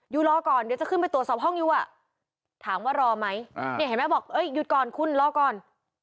รอก่อนเดี๋ยวจะขึ้นไปตรวจสอบห้องอยู่อ่ะถามว่ารอไหมเนี่ยเห็นไหมบอกเอ้ยหยุดก่อนคุณรอก่อน